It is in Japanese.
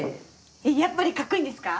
やっぱりかっこいいんですか？